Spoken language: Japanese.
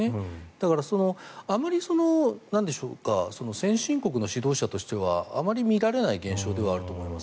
だからあまり先進国の指導者としてはあまり見られない現象ではあると思います。